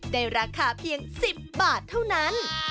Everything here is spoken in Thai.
ได้ราคาเพียง๑๐บาทเท่านั้น